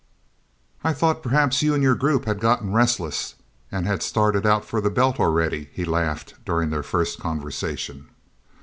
"I thought perhaps you and your group had gotten restless and had started out for the Belt already," he laughed during their first conversation.